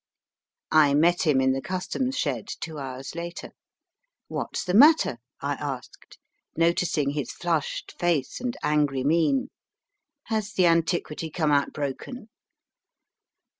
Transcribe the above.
I met him in the Customs shed two hours later. "What's the matter?" I asked, noticing his flushed faced and angry mien; *^ has the antiquity come out broken